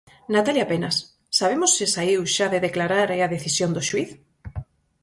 Natalia Penas, sabemos se saíu xa de declarar e a decisión do xuíz?